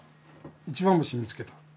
「一番星みつけた」。